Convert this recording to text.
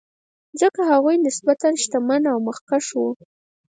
ځکه هغوی نسبتا شتمن او مخکښ وو.